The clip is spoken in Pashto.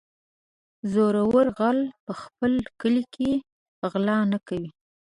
زورور غل په خپل کلي کې غلا نه کوي.